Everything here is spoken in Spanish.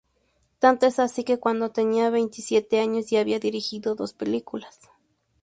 Tanto es así que cuando tenía veintisiete años ya había dirigido dos películas.